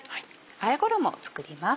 あえ衣を作ります。